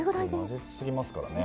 混ぜ過ぎますからね。